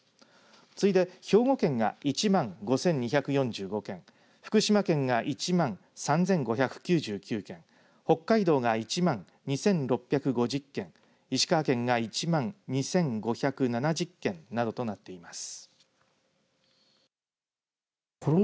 次いで兵庫県が１万５２４５件福島県が１万３５９９件北海道が１万２６５０件石川県が１万２５７０件などとなっています。